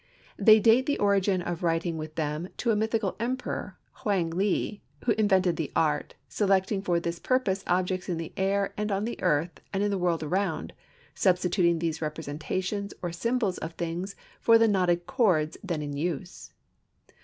They date the origin of writing with them to a mythical emperor, Hwang le, who invented the art, selecting for this purpose objects in the air, and on the earth, and in the world around, substituting these representations or symbols of things for the knotted cords then in use.